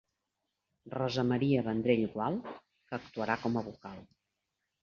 Rosa Maria Vendrell Gual, que actuarà com a vocal.